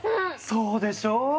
そうでしょう！